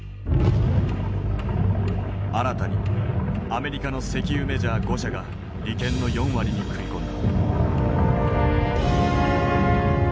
新たにアメリカの石油メジャー５社が利権の４割に食い込んだ。